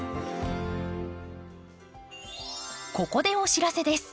ここでお知らせです。